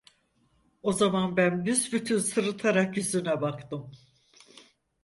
O zaman ben büsbütün sırıtarak yüzüne baktım.